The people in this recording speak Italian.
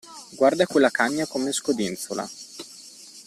Guarda quella cagna come scodinzola!